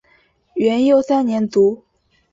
元佑三年卒。